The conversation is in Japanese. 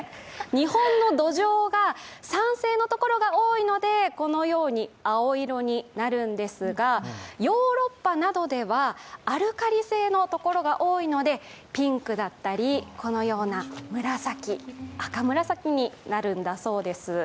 日本の土壌が酸性のところが多いので、このように青色になるんですがヨーロッパなどでは、アルカリ性のところが多いのでピンクだったり、このような紫、赤紫になるんだそうです。